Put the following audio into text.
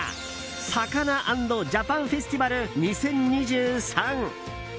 「ＳＡＫＡＮＡ＆ＪＡＰＡＮＦＥＳＴＩＶＡＬ２０２３」。